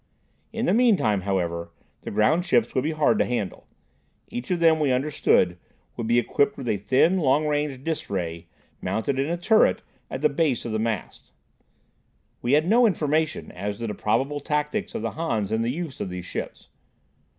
In the meantime, however, the groundships would be hard to handle. Each of them we understood would be equipped with a thin long range "dis" ray, mounted in a turret at the base of the mast. We had no information as to the probable tactics of the Hans in the use of these ships.